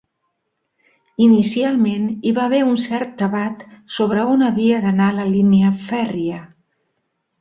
Inicialment hi va haver un cert debat sobre on havia d'anar la línia fèrria.